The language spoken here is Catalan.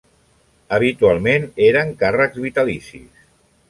Habitualment eren càrrecs vitalicis.